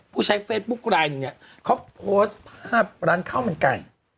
ผู้ใช้เฟสบุ๊คไลน์เนี่ยเขาโพสต์ภาพร้อมร้านข้าวมันไก่